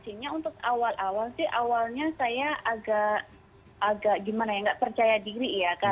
sebenarnya untuk awal awal sih awalnya saya agak gimana ya nggak percaya diri ya kan